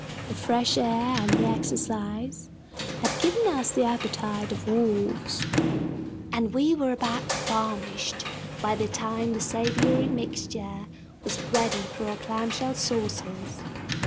The fresh air and the exercise had given us the appetites of wolves, and we were about famished by the time the savory mixture was ready for our clamshell saucers.